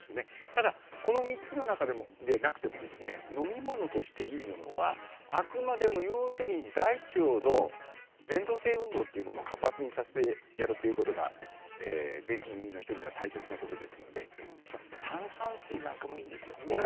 ただ、この３つの中でなくても飲み物としていいものはあくまでも、要するに大腸のぜん動運動というのを活発にさせてやるのがいいというのが便秘気味の人には大切なことですので実は炭酸水なんかもいいんです。